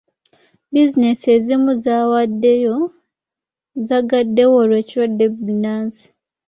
Bizinensi ezimu zagaddewo olw'ekirwadde bbunansi.